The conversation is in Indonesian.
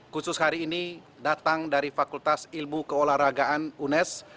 khusus hari ini datang dari fakultas ilmu keolahragaan unes